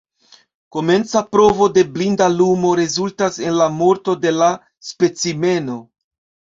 Komenca provo de blinda lumo rezultas en la morto de la specimeno.